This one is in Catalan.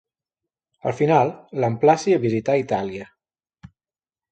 Al final, l'emplaci a visitar Itàlia.